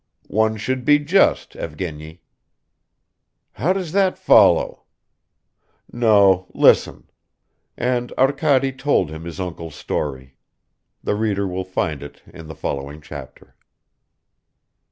"One should be just, Evgeny." "How does that follow?" "No, listen ..." And Arkady told him his uncle's story. The reader will find it in the following chapter.